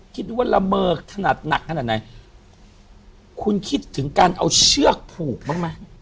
คิดดูว่าละเมอขนาดหนักขนาดไหนคุณคิดถึงการเอาเชือกผูกบ้างไหม